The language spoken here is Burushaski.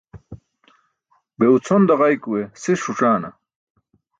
Be ucʰon daġaykuwe sis ṣuc̣aana?